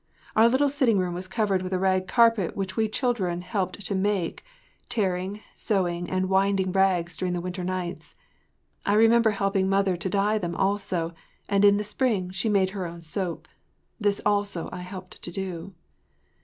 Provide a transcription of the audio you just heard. Our little sitting room was covered with a rag carpet which we children helped to make, tearing, sewing and winding rags during the winter nights. I remember helping mother to dye them also, and in the spring she made her own soap. This also I helped to do.